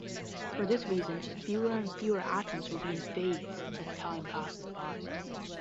For this reason fewer and fewer atoms will be in-phase as time passes by.